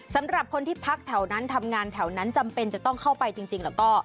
สำหรับคนที่พักแถวนั้นทำงานแถวนั้นจำเป็นจะต้องเข้าไปจริงแล้วก็